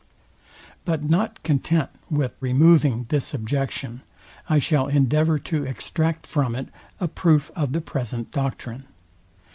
But not content with removing this objection, I shall endeavour to extract from it a proof of the present doctrine.